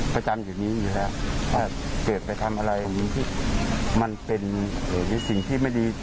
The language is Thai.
ผู้ใหญ่คนไหนเป็นยูทูเบอร์เนี่ย